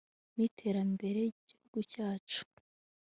n'iterambere ry'igihugu cyacu